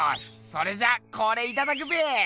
それじゃあこれいただくべ！